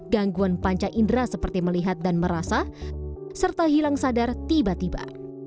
gangguan panca indera seperti melihat dan merasa serta hilang sadar tiba tiba